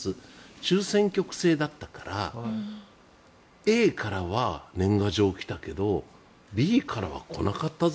中選挙区制だったからＡからは年賀状来たけどＢからは来なかったぞ